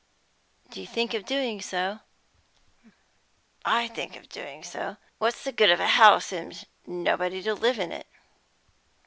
"Do you think of doing so?" "I think of doing so! What's the good of a house, and nobody to live in it?"